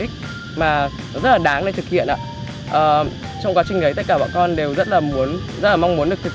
ích mà rất là đáng để thực hiện trong quá trình đấy tất cả bọn con đều rất là mong muốn được thực